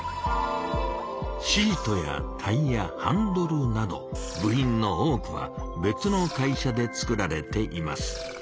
シートやタイヤハンドルなど部品の多くは別の会社で作られています。